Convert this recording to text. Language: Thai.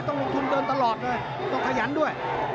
ต้องลงทุนเดินตลอดเลยต้องขยันด้วย